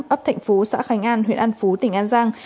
ấp thạnh phú xã khánh an huyện an phú tỉnh an giang